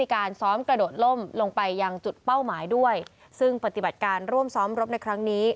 การซ้อมกระโดดล่มลงไปยังจุดเป้าหมายด้วยซึ่งปฏิบัติการร่วมซ้อมรบในครั้งนี้